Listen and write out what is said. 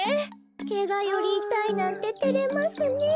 ケガよりいたいなんててれますねえ。